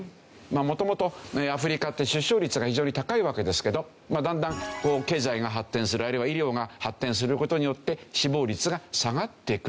元々アフリカって出生率が異常に高いわけですけどだんだん経済が発展するあるいは医療が発展する事によって死亡率が下がってくる。